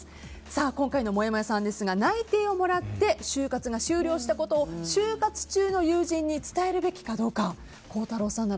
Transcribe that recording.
今回のもやもやさんですが内定をもらって就活が終了したことを就活中の友人に伝えるべきかどうか。